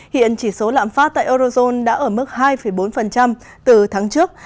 hiện chỉ số lạm phát tại eurozone đã ở mức hai bốn từ tháng trước